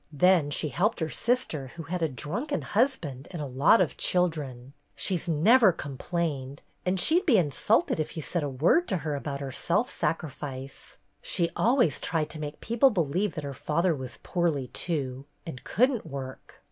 Then she helped her sister, who had a drunken husband and a lot of children. She 's never complained, and she 'd be insulted if you said a word to her about her self sacrifice. She always tried to make people believe that her father was 'poorly' too, and couldn't work.